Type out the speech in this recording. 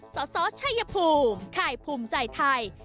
สสชัยภูมิข่ายภูมิใจไทย